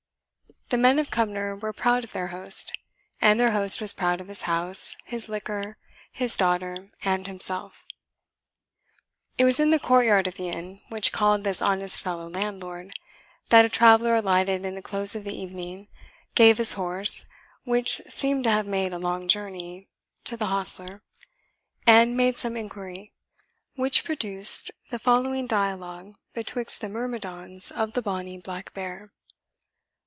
The men of Cumnor were proud of their Host, and their Host was proud of his house, his liquor, his daughter, and himself. It was in the courtyard of the inn which called this honest fellow landlord, that a traveller alighted in the close of the evening, gave his horse, which seemed to have made a long journey, to the hostler, and made some inquiry, which produced the following dialogue betwixt the myrmidons of the bonny Black Bear.